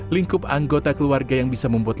lingkup anggota keluarga yang bisa membuat